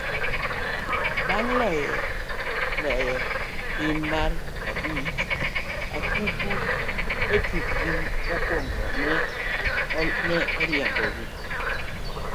bang' loyo tim mar opich okapu e tukgi mokwongo, ne oriembgi.